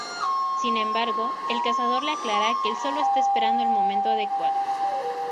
Sin embargo el cazador le aclara que el solo está esperando el momento adecuado.